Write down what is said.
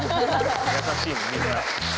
優しいねみんな。